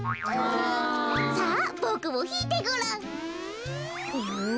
さあボクもひいてごらん。